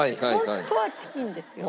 ホントはチキンですよ。